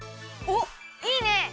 おっいいね！